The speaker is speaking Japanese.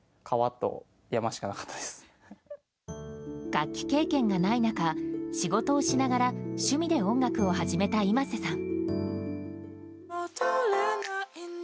楽器経験がない中仕事をしながら趣味で音楽を始めたｉｍａｓｅさん。